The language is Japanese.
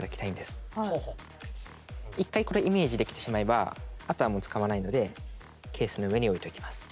一回これイメージできてしまえばあとはもう使わないのでケースの上に置いておきます。